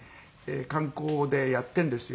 観光でやってるんですよ。